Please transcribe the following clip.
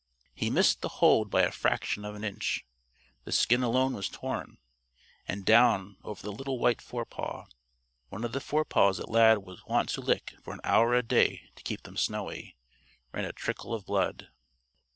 He missed the hold by a fraction of an inch. The skin alone was torn. And down over the little white forepaw one of the forepaws that Lad was wont to lick for an hour a day to keep them snowy ran a trickle of blood.